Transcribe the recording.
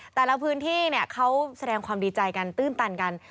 แต่ละพื้นที่เขาแสดงความดีใจกันตื้นตันกัน